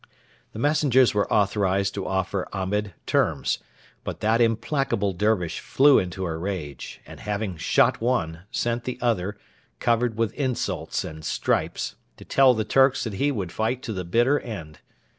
The messengers were authorised to offer Ahmed terms; but that implacable Dervish flew into a rage, and, having shot one, sent the other, covered with insults and stripes, to tell the 'Turks' that he would fight to the bitter end.